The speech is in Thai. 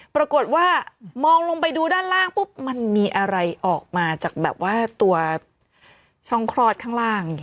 ปรากฏว่ามองลงไปดูด้านล่างปุ๊บมันมีอะไรออกมาจากแบบว่าตัวช่องคลอดข้างล่าง